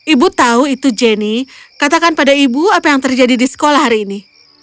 ibu tahu itu jenny katakan pada ibu apa yang terjadi di sekolah hari ini